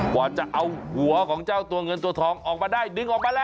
กว่าจะเอาหัวของเจ้าตัวเงินตัวทองออกมาได้ดึงออกมาแล้ว